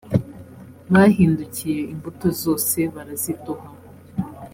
bahindukiyeimbuto zose baraziduha.